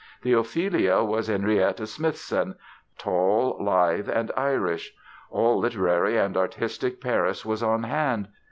The Ophelia was Henrietta Smithson, tall, lithe and Irish. All literary and artistic Paris was on hand.